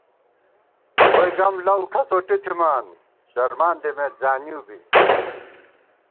ووئی گم لَؤ کھڅوٹی تھِمان، شرمان دِمېت زانِؤ بی